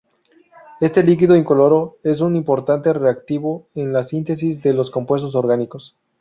Este líquido incoloro es un importante reactivo en la síntesis de los compuestos orgánicos.